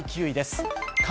第９位です。